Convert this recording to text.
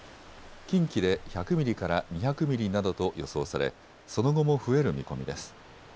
近畿で１００ミリから２００ミリなどと予想されその後も増える見込みです。